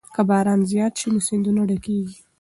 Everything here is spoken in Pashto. که باران زیات شي نو سیندونه ډکېږي.